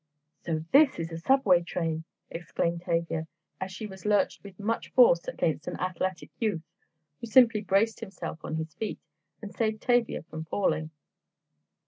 "So this is a subway train," exclaimed Tavia, as she was lurched with much force against an athletic youth, who simply braced himself on his feet, and saved Tavia from falling.